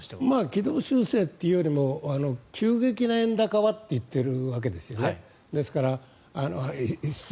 軌道修正というよりも急激な円安はと言っているわけですよね。